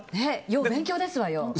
要勉強ですわよ。